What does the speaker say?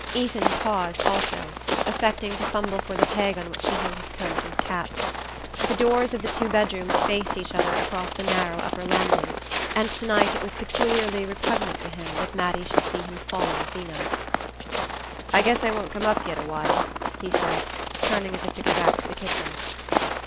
Ethan paused also, affecting to fumble for the peg on which he hung his coat and cap. The doors of the two bedrooms faced each other across the narrow upper landing, and to night it was peculiarly repugnant to him that Mattie should see him follow Zeena. "I guess I won't come up yet awhile," he said, turning as if to go back to the kitchen.